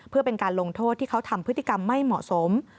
เพื่อเป็นการลงโทษที่เขาทำพฤติกรรมไม่เหมาะสม